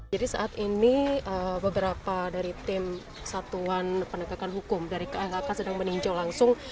jadi saat ini beberapa dari tim satuan pendegakan hukum dari klhk sedang meninjau langsung